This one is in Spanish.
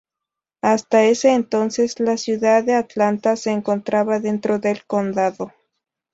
Hasta ese entonces, la ciudad de Atlanta se encontraba dentro del condado.